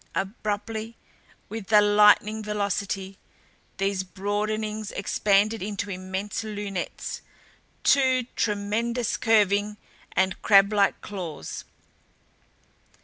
Abruptly, with a lightning velocity, these broadenings expanded into immense lunettes, two tremendous curving and crablike claws.